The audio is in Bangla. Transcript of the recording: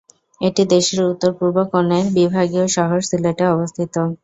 এটি দেশের উত্তর-পূর্ব কোণের বিভাগীয় শহর সিলেটে অবস্থিত।